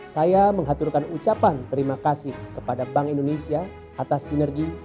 saya mengaturkan ucapan terima kasih kepada bank indonesia atas sinergi